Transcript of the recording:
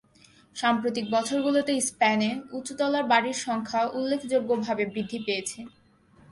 সাম্প্রতিক বছরগুলোতে স্পেনে উঁচু তলার বাড়ির সংখ্যা উল্লেখযোগ্যভাবে বৃদ্ধি পেয়েছে।